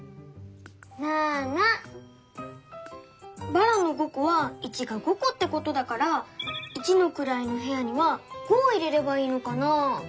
ばらの５こは「１」が５こってことだから一のくらいのへやには５を入れればいいのかな？